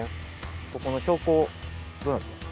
ここの標高どうなってますか？